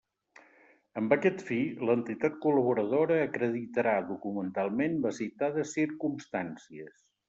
Amb aquest fi, l'entitat col·laboradora acreditarà documentalment les citades circumstàncies.